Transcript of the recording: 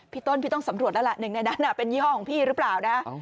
พี่ต้นพี่ต้องสำรวจแล้วล่ะหนึ่งในนั้นเป็นยี่ห้อของพี่หรือเปล่านะ